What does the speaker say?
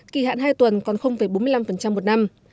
kỳ hạn hai tuần còn bốn mươi năm một năm